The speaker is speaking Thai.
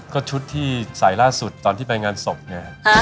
ก็ชุดที่ใส่ล่าสุดตอนที่ไปงานศพเนี่ย